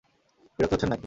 বিরক্ত হচ্ছেন নাকি?